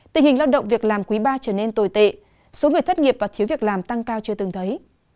tình hình lao động việc làm quý ba trở nên tồi tệ số người thất nghiệp và thiếu việc làm tăng cao chưa từng thấy